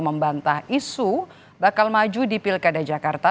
membantah isu bakal maju di pilkada jakarta